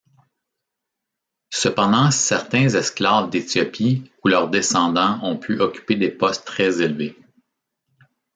Cependant certains esclaves d'Éthiopie ou leurs descendants ont pu occuper des postes très élevés.